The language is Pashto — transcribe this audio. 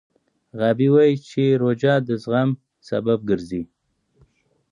غابي وايي چې روژه د زغم سبب ګرځي.